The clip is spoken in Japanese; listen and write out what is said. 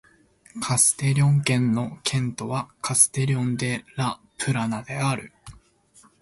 カステリョン県の県都はカステリョン・デ・ラ・プラナである